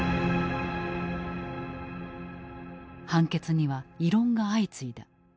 判決には異論が相次いだ。